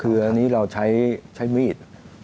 คืออันนี้เราใช้มีด